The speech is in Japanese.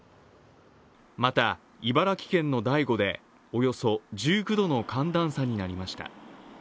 また、茨城県の大子でおよそ１９度の寒暖差になりました。